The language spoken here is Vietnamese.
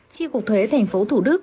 chi cục thuế tp thủ đức